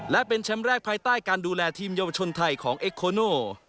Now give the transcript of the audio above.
และเป็นแชมป์แรกภายใต้การดูแลทีมเยาวชนไทยของเอ็กโคโน